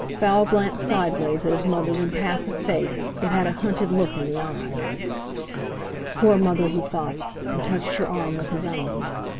Val glanced sideways at his mother's impassive face, it had a hunted look in the eyes. "Poor mother," he thought, and touched her arm with his own.